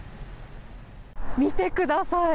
見てください。